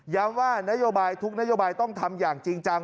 ย้ำว่าทุกนโยบายต้องทำอย่างจริงจัง